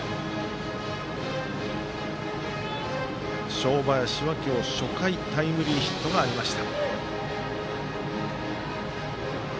正林は今日初回タイムリーヒットがありました。